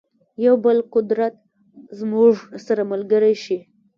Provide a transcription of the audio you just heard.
یو بل قدرت زموږ سره ملګری شي.